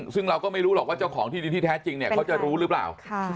ซึ่งเราก็ไม่รู้หรอกว่าเจ้าของที่ดินที่แท้จริงเนี่ยเขาจะรู้หรือเปล่า